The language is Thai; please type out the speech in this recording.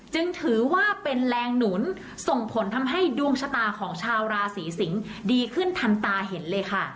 จึงถือว่าเป็นแรงหนุนส่งผลทำให้ดวงชะตาของชาวราศีสิงศ์ดีขึ้นทันตาเห็นเลยค่ะ